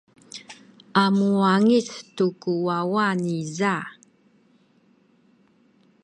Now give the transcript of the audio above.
a muwangic tu ku wawa niza.